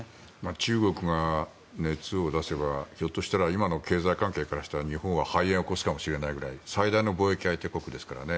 中国が熱を出せばひょっとしたら今の経済関係からしたら日本は肺炎を起こすかもしれないぐらい最大の貿易相手国ですからね。